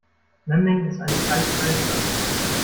Memmingen ist eine kreisfreie Stadt.